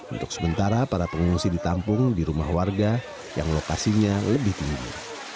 untuk sementara para pengungsi ditampung di rumah warga yang lokasinya lebih tinggi